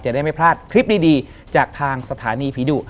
ได้ไม่พลาดคลิปดีจากทางสถานีผีดุ